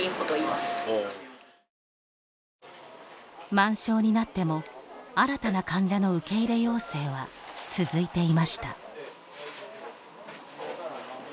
満床になっても新たな患者の受け入れ要請は続いていました。